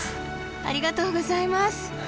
ありがとうございます。